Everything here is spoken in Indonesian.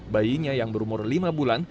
bayinya yang berumur lima bulan